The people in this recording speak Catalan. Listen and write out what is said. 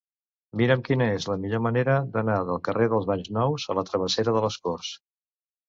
Mira'm quina és la millor manera d'anar del carrer dels Banys Nous a la travessera de les Corts.